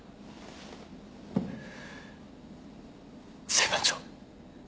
裁判長。